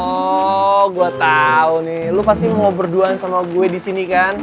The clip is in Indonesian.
oh gue tau nih lu pasti mau berduaan sama gue disini kan